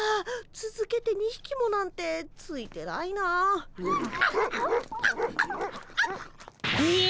つづけて２ひきもなんてついてないな。え！？